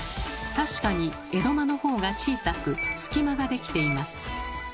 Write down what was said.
確かに江戸間のほうが小さく隙間ができています。